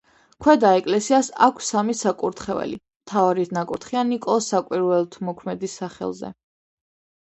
ქვედა ეკლესიას აქვს სამი საკურთხეველი: მთავარი ნაკურთხია ნიკოლოზ საკვირველთმოქმედის სახელზე.